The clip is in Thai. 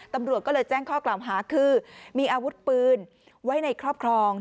ตำรวจก็เลยแจ้งข้อกล่าวหาคือมีอาวุธปืนไว้ในครอบครอง